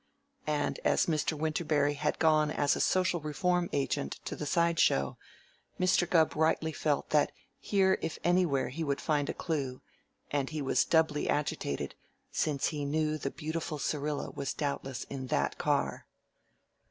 And as Mr. Winterberry had gone as a social reform agent to the side show, Mr. Gubb rightly felt that here if anywhere he would find a clue, and he was doubly agitated since he knew the beautiful Syrilla was doubtless in that car.